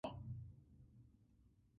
It is located at the Ela Farm at Old Goa.